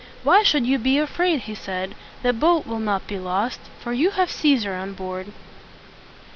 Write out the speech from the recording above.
"Why should you be afraid?" he said. "The boat will not be lost; for you have Cæsar on board."